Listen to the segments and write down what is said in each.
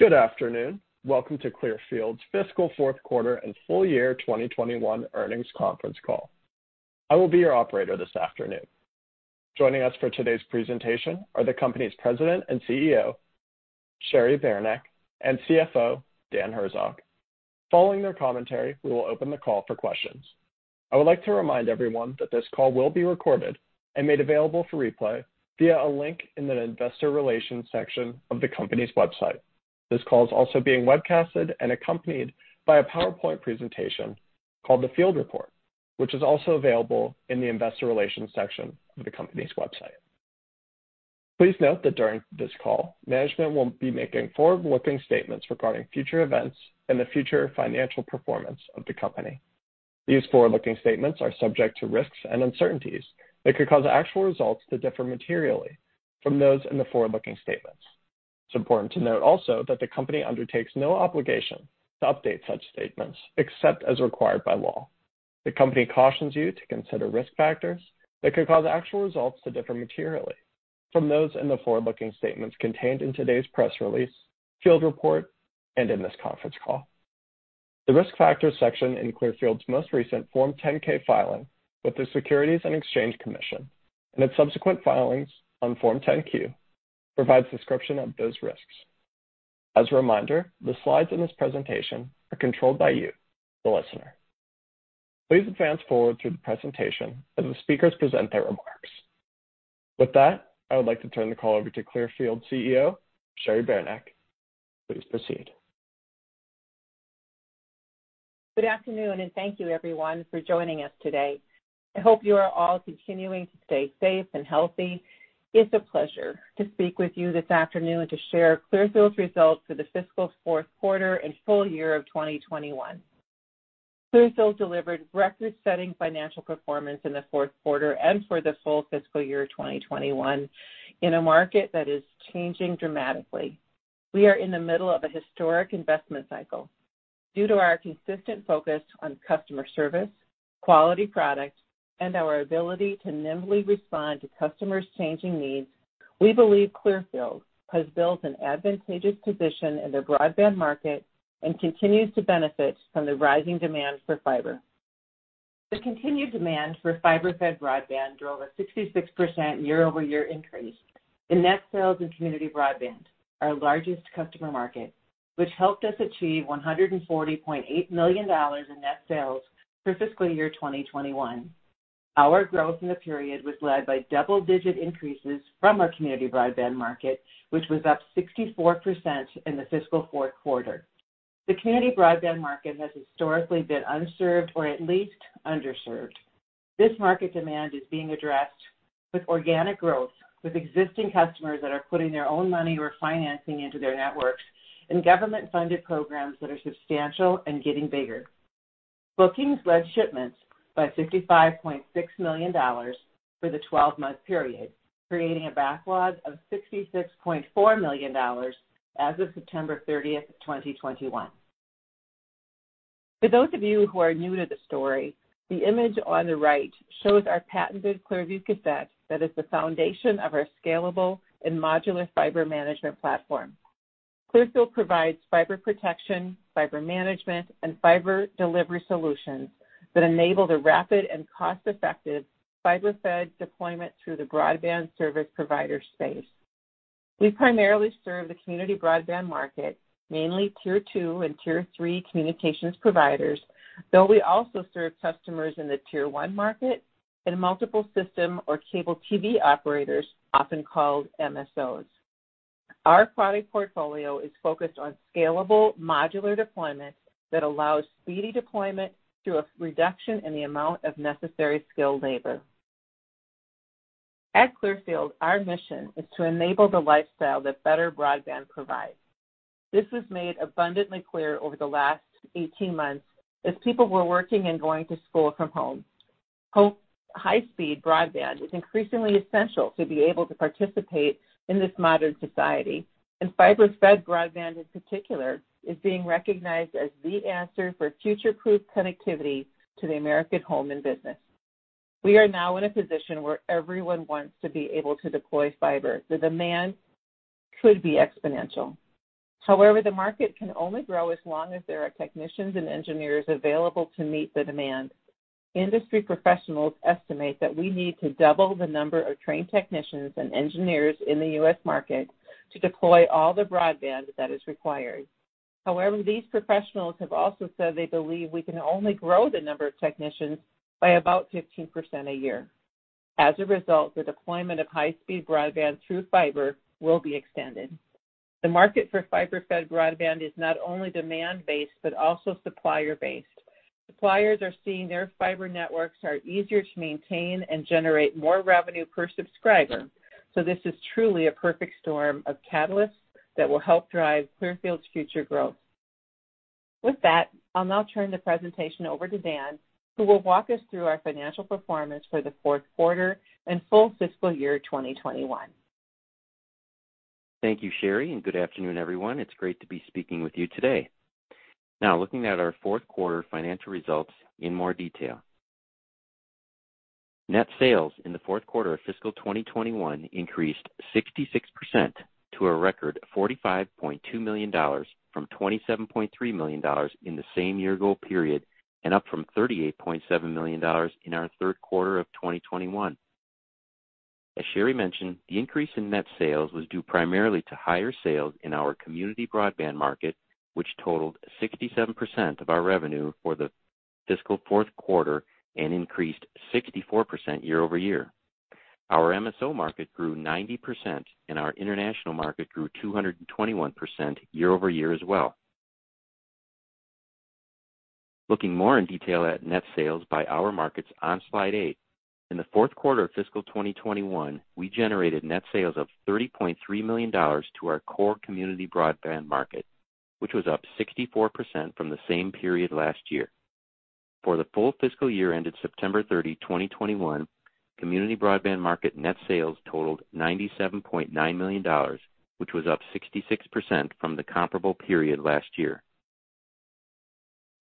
Good afternoon. Welcome to Clearfield's fiscal fourth quarter and full year 2021 earnings conference call. I will be your operator this afternoon. Joining us for today's presentation are the company's President and CEO, Cheri Beranek, and CFO, Dan Herzog. Following their commentary, we will open the call for questions. I would like to remind everyone that this call will be recorded and made available for replay via a link in the investor relations section of the company's website. This call is also being webcasted and accompanied by a PowerPoint presentation called The Field Report, which is also available in the investor relations section of the company's website. Please note that during this call, management will be making forward-looking statements regarding future events and the future financial performance of the company. These forward-looking statements are subject to risks and uncertainties that could cause actual results to differ materially from those in the forward-looking statements. It's important to note also that the company undertakes no obligation to update such statements except as required by law. The company cautions you to consider risk factors that could cause actual results to differ materially from those in the forward-looking statements contained in today's press release, FieldReport, and in this conference call. The Risk Factors section in Clearfield's most recent Form 10-K filing with the Securities and Exchange Commission and its subsequent filings on Form 10-Q provides description of those risks. As a reminder, the slides in this presentation are controlled by you, the listener. Please advance forward through the presentation as the speakers present their remarks. With that, I would like to turn the call over to Clearfield CEO, Cheri Beranek. Please proceed. Good afternoon and thank you everyone for joining us today. I hope you are all continuing to stay safe and healthy. It's a pleasure to speak with you this afternoon to share Clearfield's results for the fiscal fourth quarter and full year of 2021. Clearfield delivered record-setting financial performance in the fourth quarter and for the full fiscal year of 2021 in a market that is changing dramatically. We are in the middle of a historic investment cycle. Due to our consistent focus on customer service, quality product, and our ability to nimbly respond to customers' changing needs, we believe Clearfield has built an advantageous position in the broadband market and continues to benefit from the rising demand for fiber. The continued demand for fiber-fed broadband drove a 66% year-over-year increase in net sales and community broadband, our largest customer market, which helped us achieve $140.8 million in net sales for fiscal year 2021. Our growth in the period was led by double-digit increases from our community broadband market, which was up 64% in the fiscal fourth quarter. The community broadband market has historically been unserved or at least underserved. This market demand is being addressed with organic growth, with existing customers that are putting their own money or financing into their networks and government-funded programs that are substantial and getting bigger. Bookings led shipments by $55.6 million for the 12-month period, creating a backlog of $66.4 million as of September 30, 2021. For those of you who are new to the story, the image on the right shows our patented Clearview Cassette that is the foundation of our scalable and modular fiber management platform. Clearfield provides fiber protection, fiber management, and fiber delivery solutions that enable the rapid and cost-effective fiber-fed deployment through the broadband service provider space. We primarily serve the community broadband market, mainly Tier 2 and Tier 3 communications providers, though we also serve customers in the Tier 1 market including multiple system operators or cable TV operators, often called MSOs. Our product portfolio is focused on scalable modular deployments that allows speedy deployment through a reduction in the amount of necessary skilled labor. At Clearfield, our mission is to enable the lifestyle that better broadband provides. This was made abundantly clear over the last 18 months as people were working and going to school from home. High-speed broadband is increasingly essential to be able to participate in this modern society, and fiber-fed broadband in particular is being recognized as the answer for future-proof connectivity to the American home and business. We are now in a position where everyone wants to be able to deploy fiber. The demand could be exponential. However, the market can only grow as long as there are technicians and engineers available to meet the demand. Industry professionals estimate that we need to double the number of trained technicians and engineers in the U.S. market to deploy all the broadband that is required. However, these professionals have also said they believe we can only grow the number of technicians by about 15% a year. As a result, the deployment of high-speed broadband through fiber will be extended. The market for fiber-fed broadband is not only demand-based but also supplier-based. Suppliers are seeing their fiber networks are easier to maintain and generate more revenue per subscriber, so this is truly a perfect storm of catalysts that will help drive Clearfield's future growth. With that, I'll now turn the presentation over to Dan, who will walk us through our financial performance for the fourth quarter and full fiscal year 2021. Thank you, Cheri, and good afternoon, everyone. It's great to be speaking with you today. Now, looking at our fourth quarter financial results in more detail. Net sales in the fourth quarter of fiscal 2021 increased 66% to a record $45.2 million from $27.3 million in the same year-ago period, and up from $38.7 million in our third quarter of 2021. As Cheri mentioned, the increase in net sales was due primarily to higher sales in our community broadband market, which totaled 67% of our revenue for the fiscal fourth quarter and increased 64% year-over-year. Our MSO market grew 90% and our international market grew 221% year-over-year as well. Looking more in detail at net sales by our markets on slide eight, in the fourth quarter of fiscal 2021, we generated net sales of $30.3 million to our core community broadband market, which was up 64% from the same period last year. For the full fiscal year ended September 30, 2021, community broadband market net sales totaled $97.9 million, which was up 66% from the comparable period last year.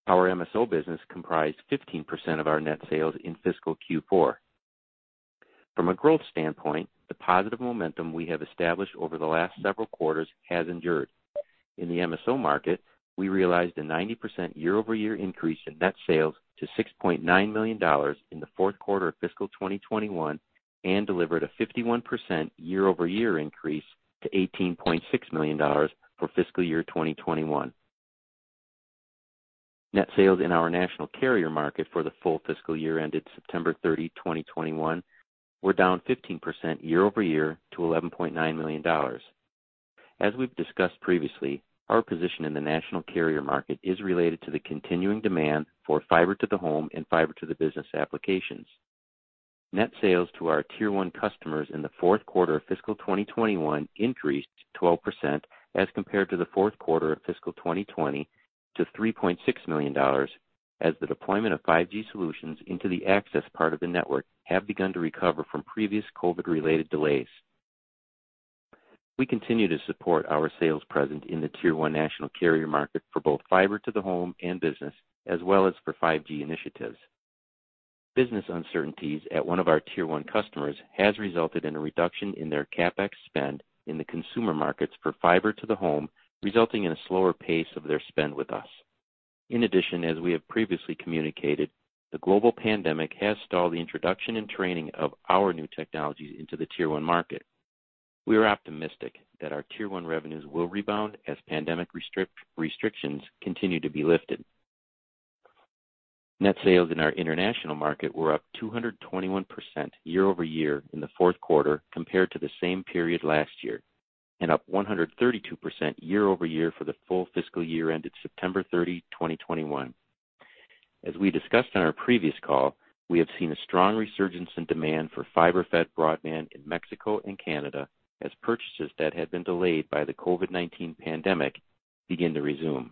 Our MSO business comprised 15% of our net sales in fiscal Q4. From a growth standpoint, the positive momentum we have established over the last several quarters has endured. In the MSO market, we realized a 90% year-over-year increase in net sales to $6.9 million in the fourth quarter of fiscal 2021 and delivered a 51% year-over-year increase to $18.6 million for fiscal year 2021. Net sales in our national carrier market for the full fiscal year ended September 30, 2021, were down 15% year-over-year to $11.9 million. As we've discussed previously, our position in the national carrier market is related to the continuing demand for fiber to the home and fiber to the business applications. Net sales to our Tier 1 customers in the fourth quarter of fiscal 2021 increased 12% as compared to the fourth quarter of fiscal 2020 to $3.6 million as the deployment of 5G solutions into the access part of the network have begun to recover from previous COVID-related delays. We continue to support our sales presence in the Tier 1 national carrier market for both fiber to the home and business, as well as for 5G initiatives. Business uncertainties at one of our Tier 1 customers has resulted in a reduction in their CapEx spend in the consumer markets for fiber to the home, resulting in a slower pace of their spend with us. In addition, as we have previously communicated, the global pandemic has stalled the introduction and training of our new technologies into the Tier 1 market. We are optimistic that our Tier 1 revenues will rebound as pandemic restrictions continue to be lifted. Net sales in our international market were up 221% year-over-year in the fourth quarter compared to the same period last year, and up 132% year-over-year for the full fiscal year ended September 30, 2021. As we discussed on our previous call, we have seen a strong resurgence in demand for fiber-fed broadband in Mexico and Canada as purchases that had been delayed by the COVID-19 pandemic begin to resume.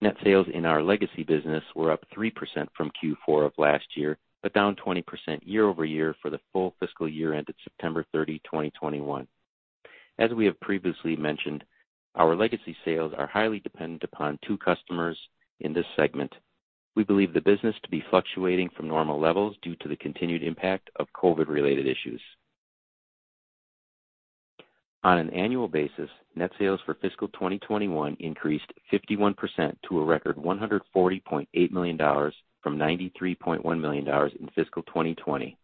Net sales in our legacy business were up 3% from Q4 of last year, but down 20% year-over-year for the full fiscal year ended September 30, 2021. As we have previously mentioned, our legacy sales are highly dependent upon two customers in this segment. We believe the business to be fluctuating from normal levels due to the continued impact of COVID-related issues. On an annual basis, net sales for fiscal 2021 increased 51% to a record $140.8 million from $93.1 million in fiscal 2020.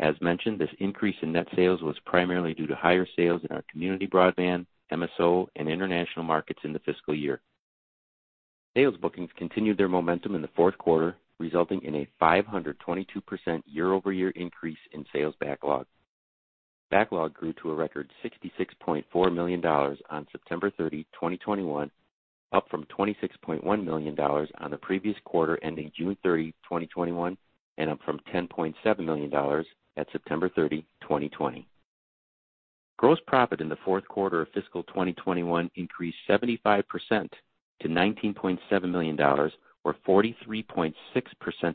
As mentioned, this increase in net sales was primarily due to higher sales in our community broadband, MSO, and international markets in the fiscal year. Sales bookings continued their momentum in the fourth quarter, resulting in a 522% year-over-year increase in sales backlog. Backlog grew to a record $66.4 million on September 30, 2021, up from $26.1 million on the previous quarter ending June 30, 2021, and up from $10.7 million at September 30, 2020. Gross profit in the fourth quarter of fiscal 2021 increased 75% to $19.7 million, or 43.6%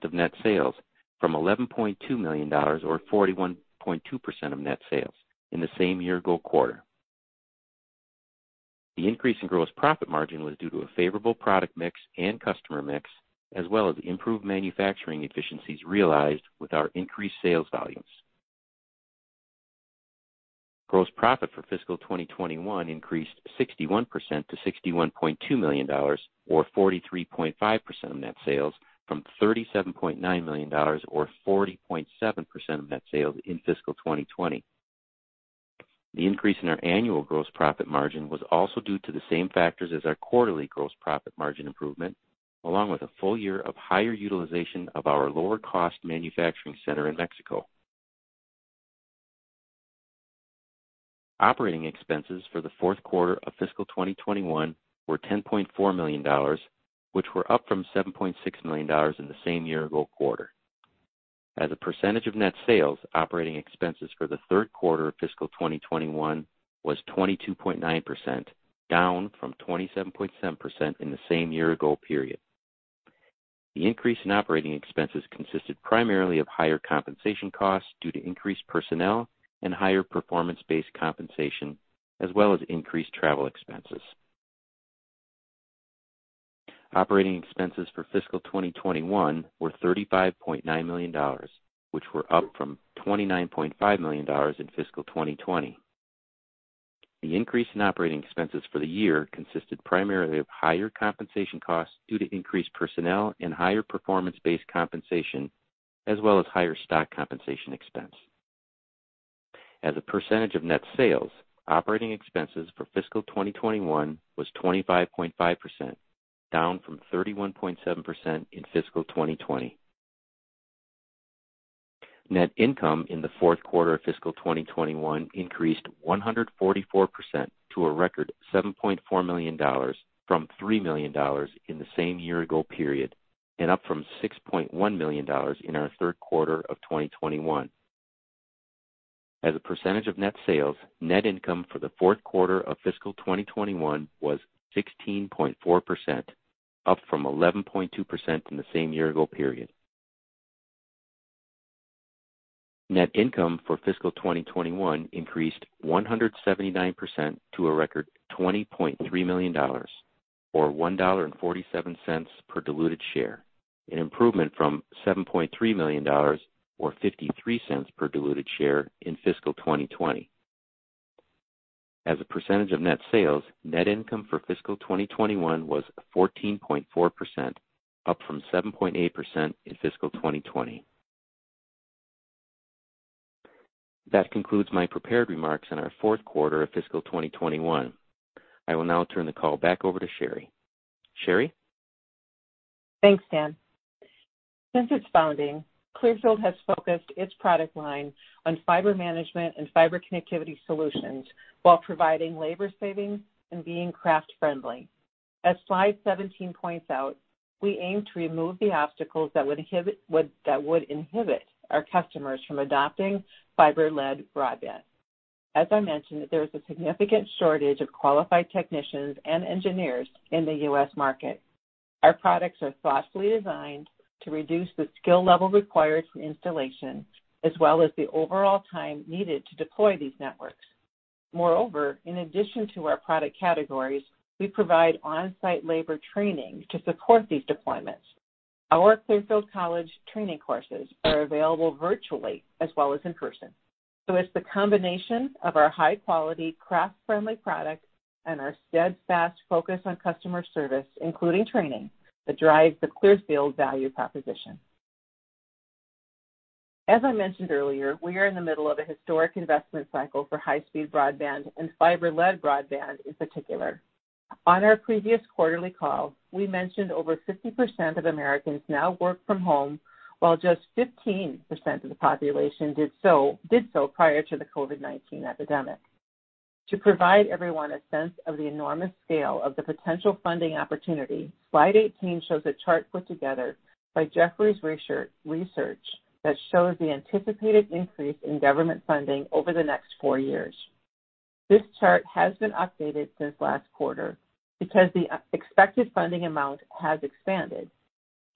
of net sales, from $11.2 million or 41.2% of net sales in the same year ago quarter. The increase in gross profit margin was due to a favorable product mix and customer mix, as well as improved manufacturing efficiencies realized with our increased sales volumes. Gross profit for fiscal 2021 increased 61% to $61.2 million or 43.5% of net sales from $37.9 million or 40.7% of net sales in fiscal 2020. The increase in our annual gross profit margin was also due to the same factors as our quarterly gross profit margin improvement, along with a full year of higher utilization of our lower cost manufacturing center in Mexico. Operating expenses for the fourth quarter of fiscal 2021 were $10.4 million, which were up from $7.6 million in the same year ago quarter. As a percentage of net sales, operating expenses for the third quarter of fiscal 2021 was 22.9%, down from 27.7% in the same year ago period. The increase in operating expenses consisted primarily of higher compensation costs due to increased personnel and higher performance-based compensation, as well as increased travel expenses. Operating expenses for fiscal 2021 were $35.9 million, which were up from $29.5 million in fiscal 2020. The increase in operating expenses for the year consisted primarily of higher compensation costs due to increased personnel and higher performance-based compensation, as well as higher stock compensation expense. As a percentage of net sales, operating expenses for fiscal 2021 was 25.5%, down from 31.7% in fiscal 2020. Net income in the fourth quarter of fiscal 2021 increased 144% to a record $7.4 million from $3 million in the same year ago period, and up from $6.1 million in our third quarter of 2021. As a percentage of net sales, net income for the fourth quarter of fiscal 2021 was 16.4%, up from 11.2% in the same year ago period. Net income for fiscal 2021 increased 179% to a record $20.3 million, or $1.47 per diluted share, an improvement from $7.3 million, or $0.53 per diluted share in fiscal 2020. As a percentage of net sales, net income for fiscal 2021 was 14.4%, up from 7.8% in fiscal 2020. That concludes my prepared remarks on our fourth quarter of fiscal 2021. I will now turn the call back over to Cheri. Cheri? Thanks, Dan. Since its founding, Clearfield has focused its product line on fiber management and fiber connectivity solutions while providing labor savings and being craft friendly. As slide 17 points out, we aim to remove the obstacles that would inhibit our customers from adopting fiber-led broadband. As I mentioned, there is a significant shortage of qualified technicians and engineers in the U.S. market. Our products are thoughtfully designed to reduce the skill level required for installation, as well as the overall time needed to deploy these networks. Moreover, in addition to our product categories, we provide on-site labor training to support these deployments. Our Clearfield College training courses are available virtually as well as in person. It's the combination of our high-quality, craft-friendly products and our steadfast focus on customer service, including training, that drives the Clearfield value proposition. As I mentioned earlier, we are in the middle of a historic investment cycle for high-speed broadband and fiber-led broadband in particular. On our previous quarterly call, we mentioned over 50% of Americans now work from home, while just 15% of the population did so prior to the COVID-19 epidemic. To provide everyone a sense of the enormous scale of the potential funding opportunity, slide 18 shows a chart put together by Jefferies Research that shows the anticipated increase in government funding over the next four years. This chart has been updated since last quarter because the expected funding amount has expanded.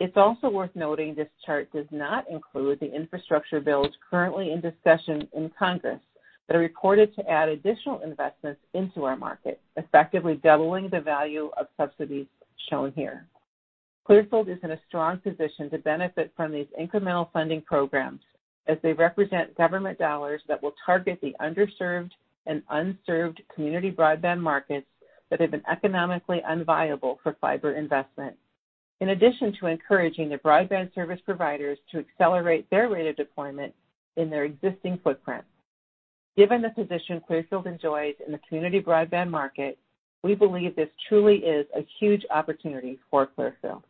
It's also worth noting this chart does not include the infrastructure bills currently in discussion in Congress that are reported to add additional investments into our market, effectively doubling the value of subsidies shown here. Clearfield is in a strong position to benefit from these incremental funding programs as they represent government dollars that will target the underserved and unserved community broadband markets that have been economically unviable for fiber investment, in addition to encouraging the broadband service providers to accelerate their rate of deployment in their existing footprint. Given the position Clearfield enjoys in the community broadband market, we believe this truly is a huge opportunity for Clearfield.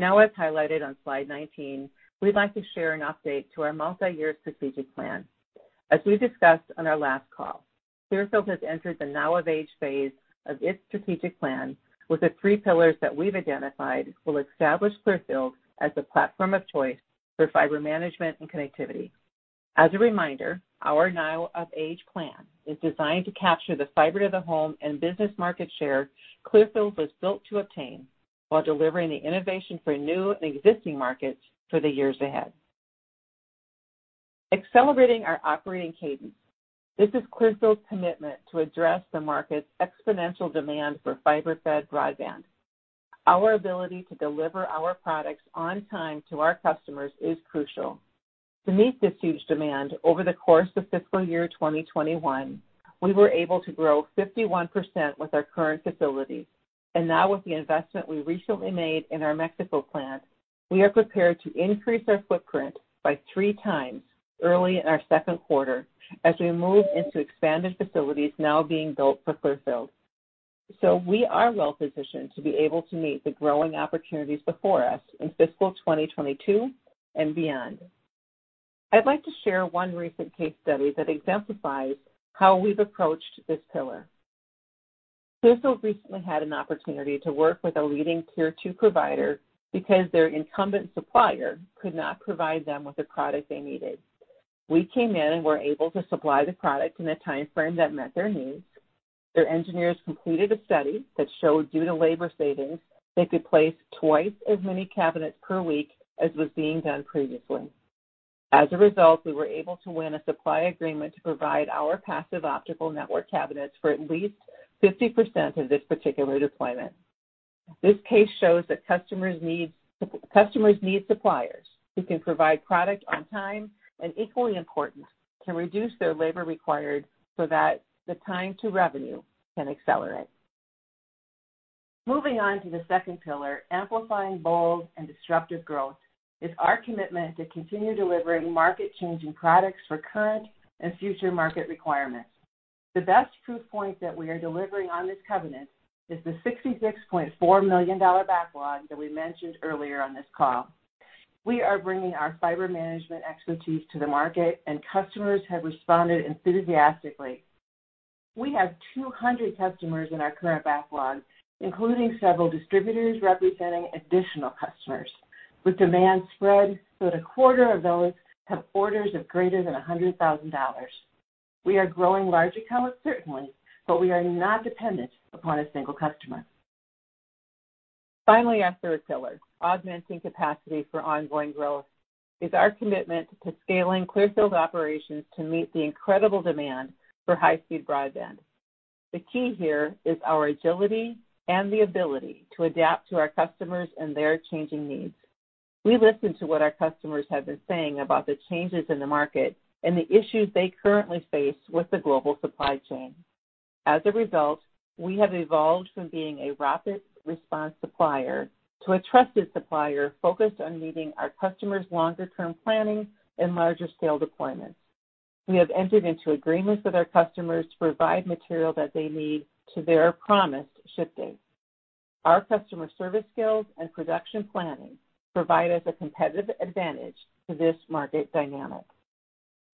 Now, as highlighted on slide 19, we'd like to share an update to our multi-year strategic plan. As we discussed on our last call, Clearfield has entered the Now of Age phase of its strategic plan with the three pillars that we've identified will establish Clearfield as the platform of choice for fiber management and connectivity. As a reminder, our Now of Age plan is designed to capture the fiber to the home and business market share Clearfield was built to obtain while delivering the innovation for new and existing markets for the years ahead. Accelerating our operating cadence. This is Clearfield's commitment to address the market's exponential demand for fiber-fed broadband. Our ability to deliver our products on time to our customers is crucial. To meet this huge demand over the course of fiscal year 2021, we were able to grow 51% with our current facilities. Now with the investment we recently made in our Mexico plant, we are prepared to increase our footprint by three times early in our second quarter as we move into expanded facilities now being built for Clearfield. We are well positioned to be able to meet the growing opportunities before us in fiscal 2022 and beyond. I'd like to share one recent case study that exemplifies how we've approached this pillar. Clearfield recently had an opportunity to work with a leading Tier 2 provider because their incumbent supplier could not provide them with the product they needed. We came in and were able to supply the product in a timeframe that met their needs. Their engineers completed a study that showed due to labor savings, they could place twice as many cabinets per week as was being done previously. As a result, we were able to win a supply agreement to provide our passive optical network cabinets for at least 50% of this particular deployment. This case shows that customers need suppliers who can provide product on time, and equally important, can reduce their labor required so that the time to revenue can accelerate. Moving on to the second pillar, amplifying bold and disruptive growth, is our commitment to continue delivering market-changing products for current and future market requirements. The best proof point that we are delivering on this covenant is the $66.4 million backlog that we mentioned earlier on this call. We are bringing our fiber management expertise to the market, and customers have responded enthusiastically. We have 200 customers in our current backlog, including several distributors representing additional customers, with demand spread so that a quarter of those have orders of greater than $100,000. We are growing large accounts, certainly, but we are not dependent upon a single customer. Finally, our third pillar, augmenting capacity for ongoing growth, is our commitment to scaling Clearfield's operations to meet the incredible demand for high-speed broadband. The key here is our agility and the ability to adapt to our customers and their changing needs. We listen to what our customers have been saying about the changes in the market and the issues they currently face with the global supply chain. As a result, we have evolved from being a rapid response supplier to a trusted supplier focused on meeting our customers' longer-term planning and larger scale deployments. We have entered into agreements with our customers to provide material that they need to their promised ship date. Our customer service skills and production planning provide us a competitive advantage to this market dynamic.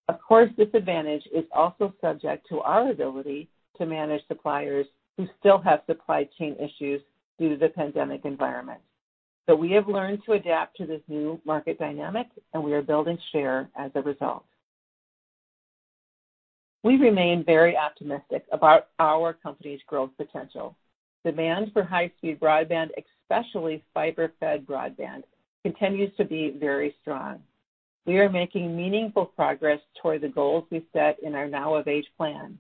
Of course, this advantage is also subject to our ability to manage suppliers who still have supply chain issues due to the pandemic environment. We have learned to adapt to this new market dynamic, and we are building share as a result. We remain very optimistic about our company's growth potential. Demand for high-speed broadband, especially fiber-fed broadband, continues to be very strong. We are making meaningful progress toward the goals we set in our Now of Age plan.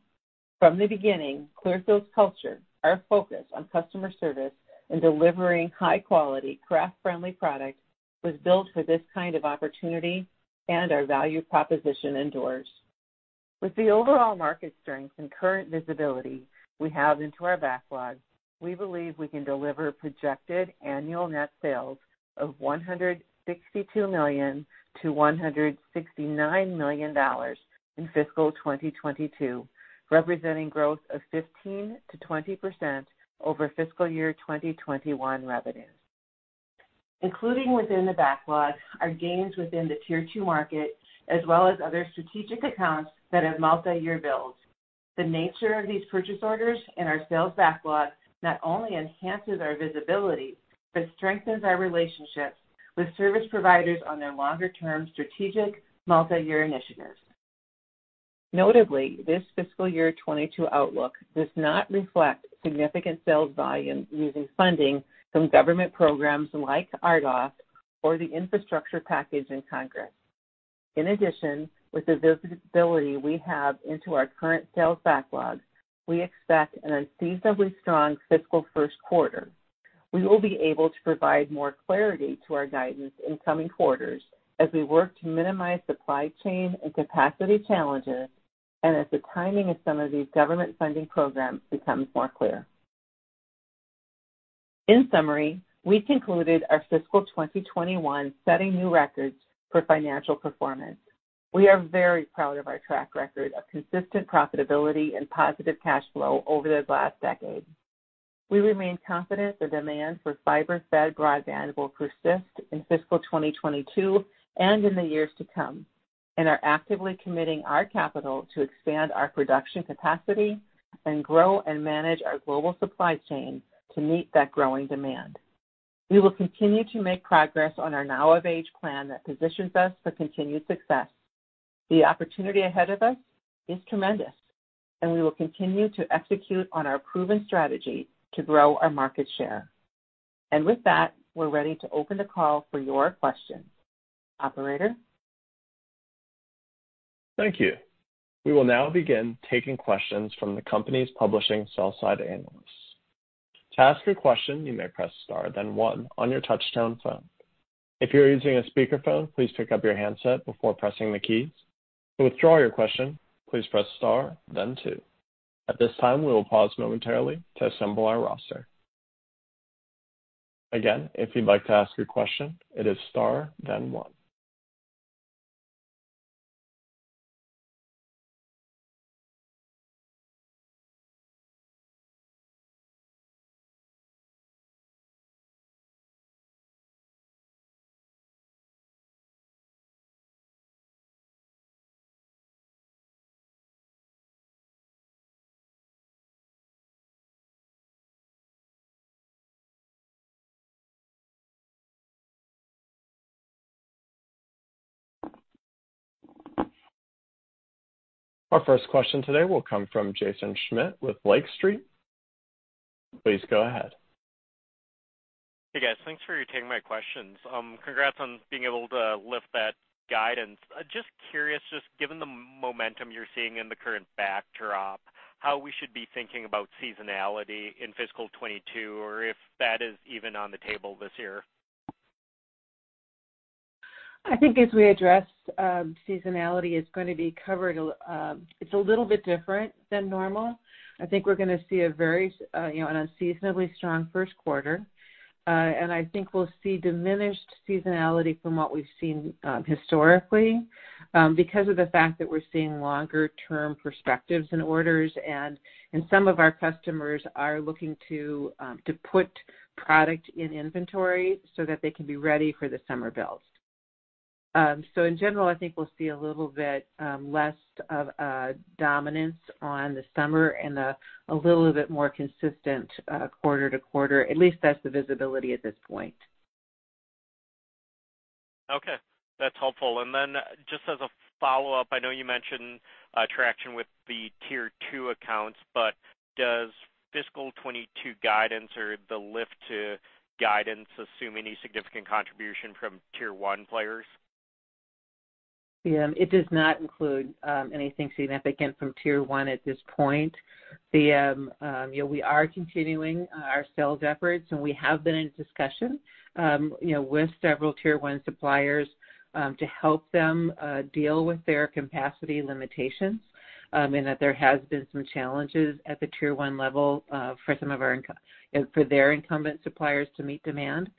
From the beginning, Clearfield's culture, our focus on customer service and delivering high-quality craft-friendly products, was built for this kind of opportunity, and our value proposition endures. With the overall market strength and current visibility we have into our backlog, we believe we can deliver projected annual net sales of $162 million-$169 million in fiscal 2022, representing growth of 15%-20% over fiscal year 2021 revenue. Including within the backlog are gains within the Tier 2 market, as well as other strategic accounts that have multiyear builds. The nature of these purchase orders and our sales backlog not only enhances our visibility but strengthens our relationships with service providers on their longer-term strategic multiyear initiatives. Notably, this fiscal year 2022 outlook does not reflect significant sales volume using funding from government programs like RDOF or the infrastructure package in Congress. In addition, with the visibility we have into our current sales backlog, we expect an unseasonably strong fiscal first quarter. We will be able to provide more clarity to our guidance in coming quarters as we work to minimize supply chain and capacity challenges, and as the timing of some of these government funding programs becomes more clear. In summary, we concluded our fiscal 2021, setting new records for financial performance. We are very proud of our track record of consistent profitability and positive cash flow over the last decade. We remain confident the demand for fiber-fed broadband will persist in fiscal 2022 and in the years to come, and are actively committing our capital to expand our production capacity and grow and manage our global supply chain to meet that growing demand. We will continue to make progress on our Now of Age plan that positions us for continued success. The opportunity ahead of us is tremendous, and we will continue to execute on our proven strategy to grow our market share. With that, we're ready to open the call for your questions. Operator? Thank you. We will now begin taking questions from the company's publishing sell-side analysts. To ask your question, you may press star, then one on your touch-tone phone. If you're using a speakerphone, please pick up your handset before pressing the keys. To withdraw your question, please press star, then two. At this time, we will pause momentarily to assemble our roster. Again, if you'd like to ask your question, it is star, then one. Our first question today will come from Jaeson Schmidt with Lake Street. Please go ahead. Hey, guys. Thanks for taking my questions. Congrats on being able to lift that guidance. Just curious, just given the momentum you're seeing in the current backdrop, how we should be thinking about seasonality in fiscal 2022, or if that is even on the table this year. I think as we address seasonality is going to be covered, it's a little bit different than normal. I think we're going to see a very, you know, an unseasonably strong first quarter. I think we'll see diminished seasonality from what we've seen historically because of the fact that we're seeing longer term perspectives in orders, and some of our customers are looking to put product in inventory so that they can be ready for the summer builds. In general, I think we'll see a little bit less of a dominance on the summer and a little bit more consistent quarter to quarter. At least that's the visibility at this point. Okay, that's helpful. Just as a follow-up, I know you mentioned traction with the Tier 2 accounts, but does fiscal 2022 guidance or the lift to guidance assume any significant contribution from Tier 1 players? Yeah, it does not include anything significant from Tier 1 at this point. You know, we are continuing our sales efforts, and we have been in discussions with several Tier 1 suppliers to help them deal with their capacity limitations, in that there has been some challenges at the Tier 1 level for their incumbent suppliers to meet demand.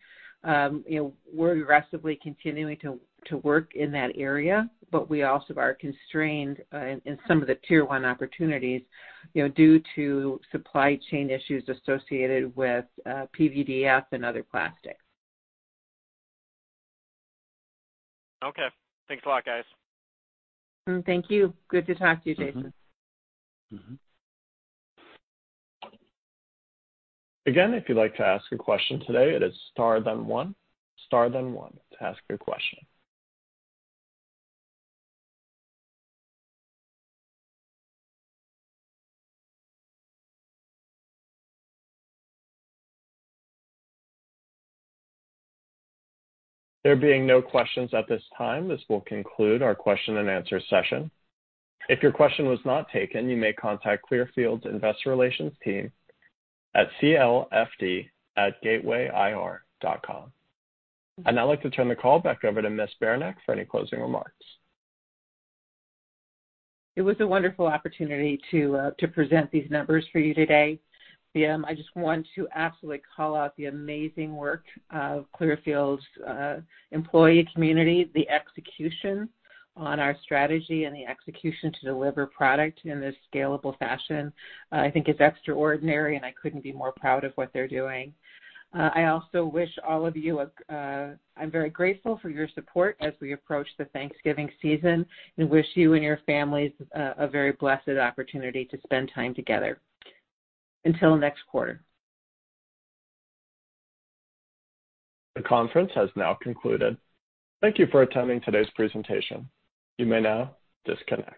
You know, we're aggressively continuing to work in that area, but we also are constrained in some of the Tier 1 opportunities due to supply chain issues associated with PVDF and other plastics. Okay. Thanks a lot, guys. Thank you. Good to talk to you, Jaeson. Again, if you'd like to ask a question today, it is star then one. Star then one to ask your question. There being no questions at this time, this will conclude our question and answer session. If your question was not taken, you may contact Clearfield's investor relations team at clfd@gatewayir.com. I'd now like to turn the call back over to Ms. Beranek for any closing remarks. It was a wonderful opportunity to present these numbers for you today. I just want to absolutely call out the amazing work of Clearfield's employee community, the execution on our strategy and the execution to deliver product in this scalable fashion. I think it's extraordinary, and I couldn't be more proud of what they're doing. I also wish all of you. I'm very grateful for your support as we approach the Thanksgiving season and wish you and your families a very blessed opportunity to spend time together. Until next quarter. The conference has now concluded. Thank you for attending today's presentation. You may now disconnect.